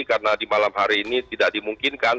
karena di malam hari ini tidak dimungkinkan